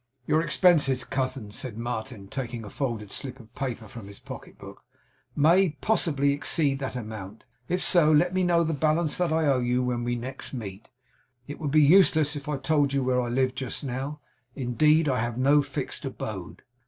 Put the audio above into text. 'Your expenses, cousin,' said Martin, taking a folded slip of paper from his pocketbook, 'may possibly exceed that amount. If so, let me know the balance that I owe you, when we next meet. It would be useless if I told you where I live just now; indeed, I have no fixed abode.